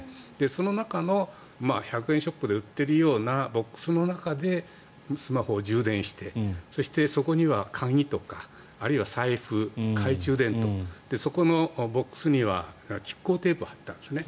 その中の、１００円ショップで売ってるようなボックスの中でスマホを充電してそして、そこには鍵とか、あるいは財布懐中電灯そこのボックスには蓄光テープを貼ってあるんです。